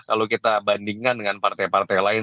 kalau kita bandingkan dengan partai partai lain